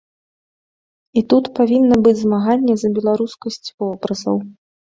І тут павінна быць змаганне за беларускасць вобразаў.